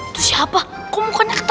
masuk ke kamar ya